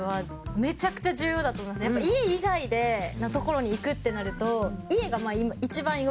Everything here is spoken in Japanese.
やっぱ家以外の所に行くってなると。